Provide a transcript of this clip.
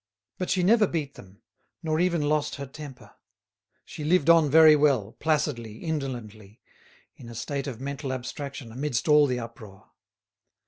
But she never beat them, nor even lost her temper; she lived on very well, placidly, indolently, in a state of mental abstraction amidst all the uproar.